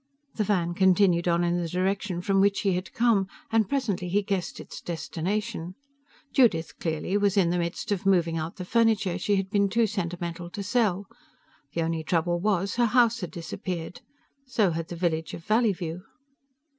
The van continued on in the direction from which he had come, and presently he guessed its destination. Judith, clearly, was in the midst of moving out the furniture she had been too sentimental to sell. The only trouble was, her house had disappeared. So had the village of Valleyview.